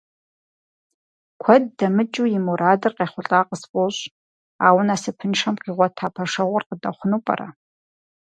Куэд дэмыкӀу и мурадыр къехъулӀа къыфӀощӀ, ауэ насыпыншэм къигъуэта пэшэгъур къыдэхъуну пӀэрэ?